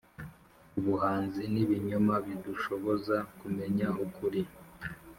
ubuhanzi nibinyoma bidushoboza kumenya ukuri.